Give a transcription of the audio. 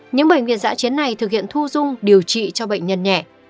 những bệnh viện giã chiến này thực hiện thu dung điều trị cho bệnh nhân nhẹ